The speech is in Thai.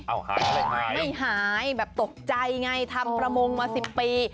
ไม่หายแบบตกใจไงทำประมงมา๑๐ปี